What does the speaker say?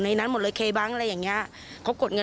ส่วนทางฝั่งของ